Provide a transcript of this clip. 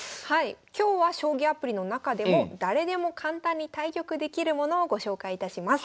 今日は将棋アプリの中でも誰でも簡単に対局できるものをご紹介いたします。